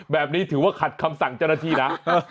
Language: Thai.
แบบนี้ถือว่าขาดคำสั่งเจลฐีนะ